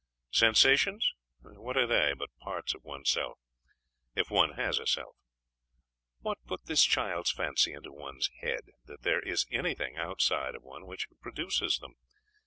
Sensations? What are they, but parts of oneself if one has a self! What put this child's fancy into one's head, that there is anything outside of one which produces them?